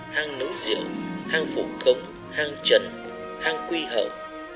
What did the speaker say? hang nấu rượu hang phủ khống hang trần hang quy hậu